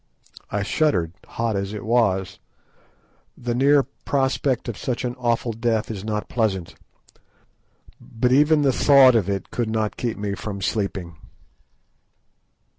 I shuddered, hot as it was. The near prospect of such an awful death is not pleasant, but even the thought of it could not keep me from sleeping.